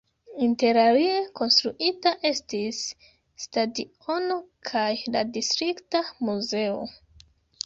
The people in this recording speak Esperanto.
Interalie konstruita estis stadiono kaj la distrikta muzeo.